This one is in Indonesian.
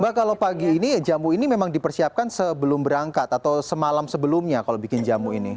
mbak kalau pagi ini jamu ini memang dipersiapkan sebelum berangkat atau semalam sebelumnya kalau bikin jamu ini